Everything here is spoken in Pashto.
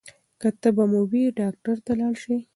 که تبه مو وي ډاکټر ته لاړ شئ.